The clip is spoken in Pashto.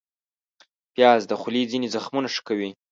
پیاز د خولې ځینې زخمونه ښه کوي